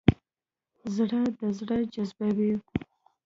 زړه د زړه جذبوي.